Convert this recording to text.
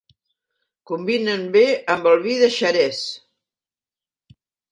Combinen bé amb el vi de Xerès.